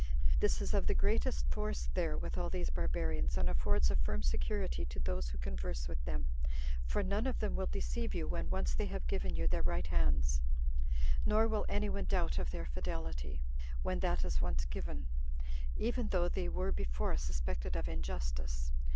This is of the greatest force there with all these barbarians, and affords a firm security to those who converse with them; for none of them will deceive you when once they have given you their right hands, nor will any one doubt of their fidelity, when that is once given, even though they were before suspected of injustice.